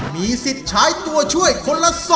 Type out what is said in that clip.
มีสิทธิ์ใช้ตัวช่วยคนละ๒